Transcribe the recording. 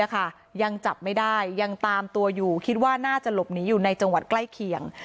ยังจับไม่ได้ยังตามตัวอยู่คิดว่าน่าจะหลบหนีอยู่ในจังหวัดใกล้เคียง